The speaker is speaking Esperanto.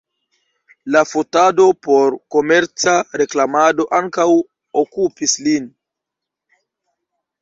La fotado por komerca reklamado ankaŭ okupis lin.